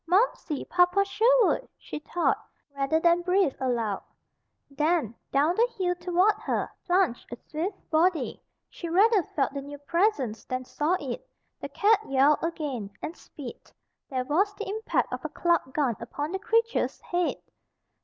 "Momsey! Papa Sherwood!" she thought, rather than breathed aloud. Then, down the hill toward her, plunged a swift body. She rather felt the new presence than saw it. The cat yowled again, and spit. There was the impact of a clubbed gun upon the creature's head.